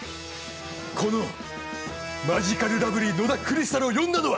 このマヂカルラブリー野田クリスタルを呼んだのは。